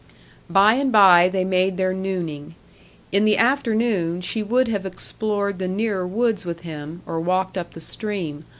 By and by they made their nooning. In the afternoon she would have explored the nearer woods with him, or walked up the stream.